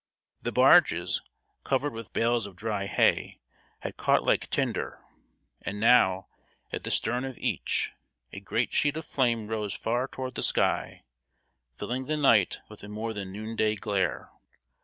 The barges, covered with bales of dry hay, had caught like tinder, and now, at the stern of each, a great sheet of flame rose far toward the sky, filling the night with a more than noonday glare.